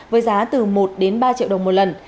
với giá từ một ba triệu đồng một lần